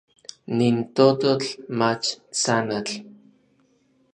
Nin tototl mach tsanatl.